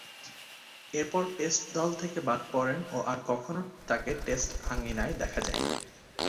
এরপর টেস্ট দল থেকে বাদ পড়েন ও আর কখনো তাকে টেস্ট আঙ্গিনায় দেখা যায়নি।